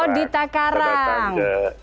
oh dita karang